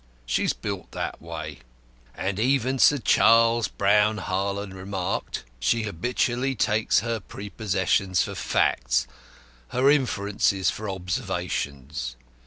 She is built that way. As even Sir Charles Brown Harland remarked, she habitually takes her prepossessions for facts, her inferences for observations.